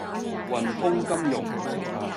雲鋒金融